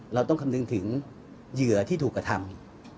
เราต้องคำนึงถึงเหยื่อที่ถูกกระทำ